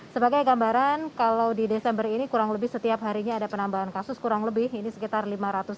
sebagai gambaran kalau di desember ini kurang lebih setiap harinya ada penambahan kasus kurang lebih ini sekitar lima ratus